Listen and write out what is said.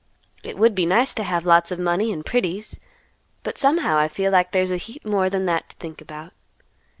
It would be nice to have lots of money and pretties, but somehow I feel like there's a heap more than that to think about.